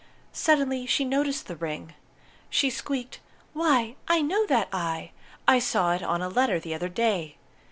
Suddenly she noticed the ring. She squeaked, 'Why, I know that eye! I saw it on a letter the other day.'